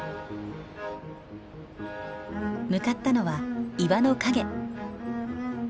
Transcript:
向かったのは岩の陰。